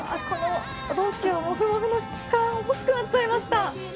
もふもふの質感欲しくなっちゃいました！